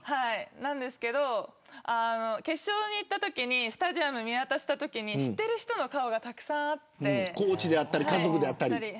なんですけど決勝にいったときにスタジアムを見渡したときに知ってる人の顔がコーチだったり家族だったり。